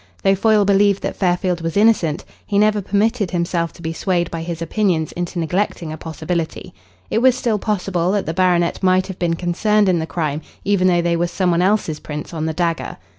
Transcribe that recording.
Though Foyle believed that Fairfield was innocent, he never permitted himself to be swayed by his opinions into neglecting a possibility. It was still possible that the baronet might have been concerned in the crime even though they were some one else's prints on the dagger.